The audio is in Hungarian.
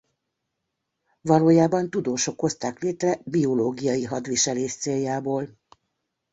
Valójában tudósok hozták létre biológiai hadviselés céljából.